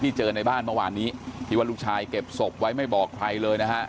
เจอในบ้านเมื่อวานนี้ที่ว่าลูกชายเก็บศพไว้ไม่บอกใครเลยนะฮะ